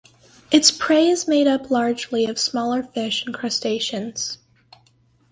Its prey is made up largely of smaller fish and crustaceans.